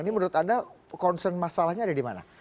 ini menurut anda concern masalahnya ada di mana